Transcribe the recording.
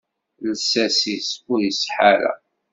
Lsas-is ur iṣeḥḥa ara.